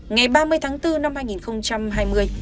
ngày ba mươi tháng bốn năm hai nghìn hai mươi